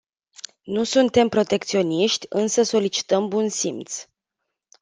Nu suntem protecționiști, însă solicităm bun simț.